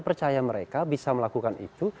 percaya mereka bisa melakukan itu